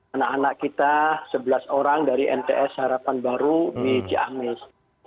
anak anak kita sebelas orang dari nts harapan baru di ciamis